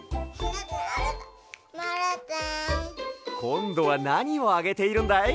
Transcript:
こんどはなにをあげているんだい？